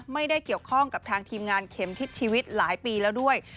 ไม่ได้เกี่ยวข้องกับทางทีมงานเข็มทิศชีวิตหลายปีแล้วด้วย